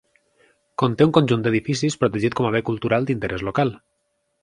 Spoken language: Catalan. Conté un conjunt d'edificis protegit com a bé cultural d'interès local.